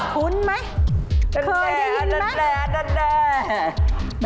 ทุนไหมเคยยินไหม